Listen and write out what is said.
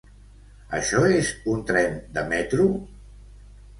Això és un tren de metro?